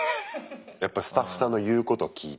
やっぱスタッフさんの言うこと聞いて。